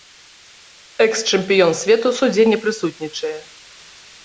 Экс-чэмпіён свету ў судзе не прысутнічае.